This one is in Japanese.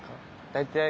大体。